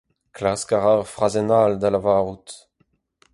Klask a ra ur frazenn all da lavarout.